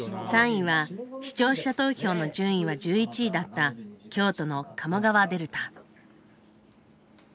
３位は視聴者投票の順位は１１位だった「京都の鴨川デルタ」。